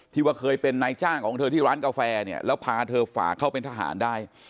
ว่าเคยเป็นนายจ้างของเธอที่ร้านกาแฟเนี่ยแล้วพาเธอฝากเข้าเป็นทหารได้